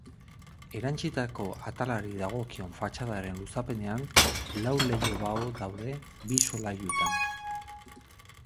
Erantsitako atalari dagokion fatxadaren luzapenean lau leiho-bao daude bi solairutan.